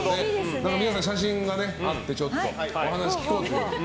皆さん、写真があってお話を聞こうという。